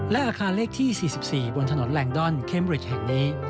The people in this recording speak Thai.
และอาคารเลขที่๔๔บนถนนแลนดอนเคมริดแห่งนี้